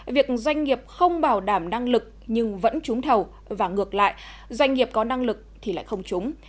việc doanh nghiệp không bảo đảm năng lực nhưng vẫn trúng thầu và ngược lại doanh nghiệp có năng lực thì lại không trúng